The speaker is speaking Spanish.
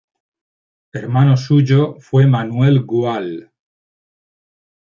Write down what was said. Hermano suyo fue Manuel Gual.